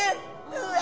うわ